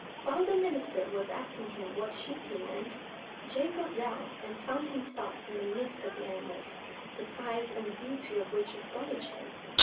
While the minister was asking him what sheep he meant, J—— got down and found himself in the midst of the animals, the size and beauty of which astonished him.